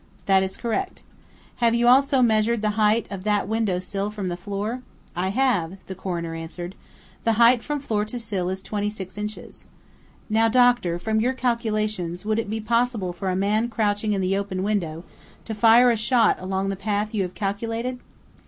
"That is correct." "Have you also measured the height of that window sill from the floor?" "I have," the coroner answered. "The height from floor to sill is 26 inches." "Now, doctor, from your calculations, would it be possible for a man crouching in the open window to fire a shot along the path you have calculated?"